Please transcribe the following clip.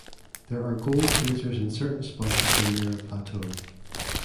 There are gold placers in certain spots of the Nera Plateau.